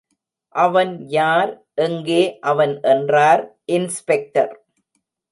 அவன் யார், எங்கே அவன் என்றார் இன்ஸ்பெக்டர்.